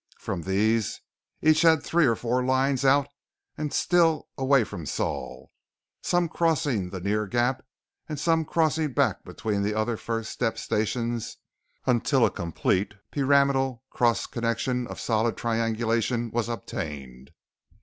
From these, each had three or four lines out and still away from Sol, some crossing the near gap and some crossing back between the other first step stations until a complete pyramidal cross connection of solid triangulation was obtained.